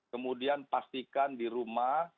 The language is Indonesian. kemudian pastikan di rumah